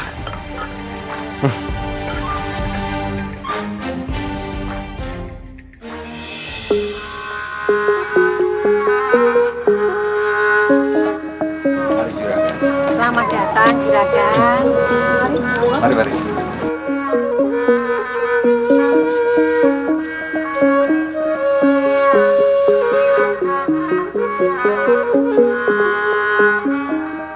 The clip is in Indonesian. oke sepertinya ini konylip sunop